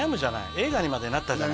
映画にまでなったじゃない？